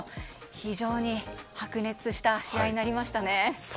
非常に白熱した試合になりましたね。